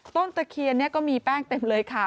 ตะเคียนนี้ก็มีแป้งเต็มเลยค่ะ